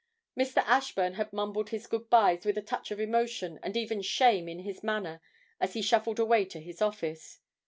Mr. Ashburn had mumbled his good byes with a touch of emotion and even shame in his manner as he shuffled away to his office.